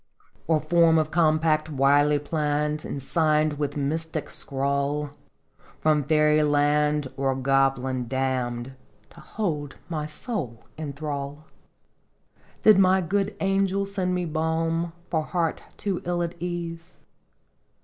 Or form of compact wily planned And signed with mystic scrawl, From fairy land, or goblin damned, To hold my soul in thrall? " Did my good angel send me balm For heart too ill at ease?